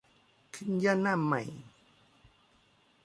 ขึ้นย่อหน้าใหม่